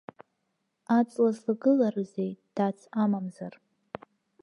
Аҵла злагыларызеи, дац амамзар?